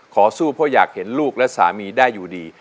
สู้เพราะอยากเห็นลูกและสามีได้อยู่ดี